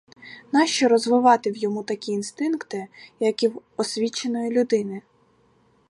Нащо розвивати в йому такі інстинкти, як і в освіченої людини?